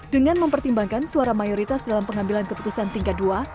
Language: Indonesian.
dengan mempertimbangkan suara mayoritas dalam pengambilan keputusan tingkat dua